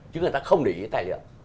chứ người ta không để ý cái tài liệu